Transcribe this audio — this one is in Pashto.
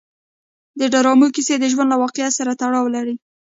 د ډرامو کیسې د ژوند له واقعیت سره تړاو لري.